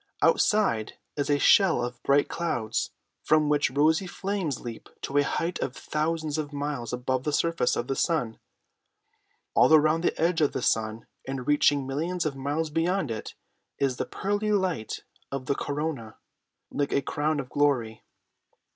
Outside is a shell of bright clouds, from which rosy flames leap to a height of thousands of miles above the surface of the sun. All around the edge of the sun, and reaching millions of miles beyond it, is the pearly light of the corona like a crown of glory.